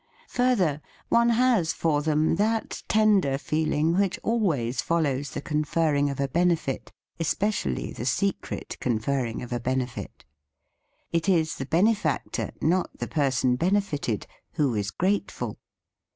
Further, one has for them that tender feeling which always follows the conferring of a benefit, especially the secret confer ring of a benefit. It is the benefactor, not the person benefited, who is grate ful.